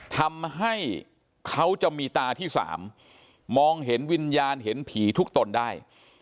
ทำให้เขาจะมีตาที่สามมองเห็นวิญญาณเห็นผีทุกตนได้